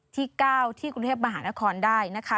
ที่๙ที่กรุงเทพมหานครได้นะคะ